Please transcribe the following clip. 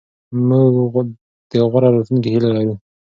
موږ د غوره راتلونکي هیله لرو.